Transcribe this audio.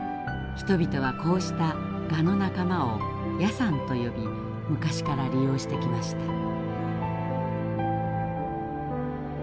人々はこうしたガの仲間を「野蚕」と呼び昔から利用してきました。